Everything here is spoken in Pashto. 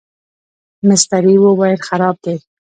مستري وویل خراب دی.